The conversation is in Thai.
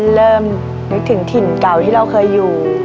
นึกถึงถิ่นเก่าที่เราเคยอยู่